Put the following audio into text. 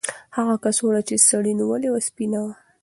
هغه کڅوړه چې سړي نیولې وه سپینه وه.